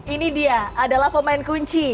ini dia adalah pemain kunci